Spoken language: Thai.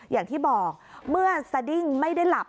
อย่างที่บอกเมื่อสดิ้งไม่ได้หลับ